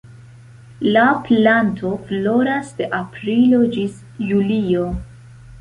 La planto floras de aprilo ĝis julio.